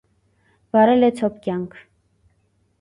Վարել է ցոփ կյանք։